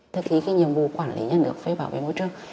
thực hiện cái nhiệm vụ quản lý nhà nước về bảo vệ môi trường